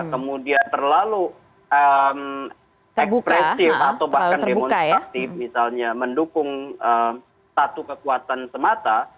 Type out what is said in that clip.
kemudian terlalu ekspresif atau bahkan demonstrasi misalnya mendukung satu kekuatan semata